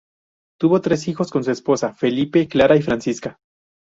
Tuvo tres hijos con su esposa: Felipe, Clara y Francisca.